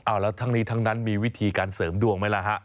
แล้วทั้งนี้ทั้งนั้นมีวิธีการเสริมดวงไหมล่ะฮะ